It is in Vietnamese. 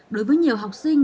đối với nhiều học sinh